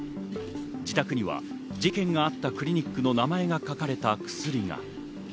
自宅には事件があったクリニックの名前が書かれた薬が。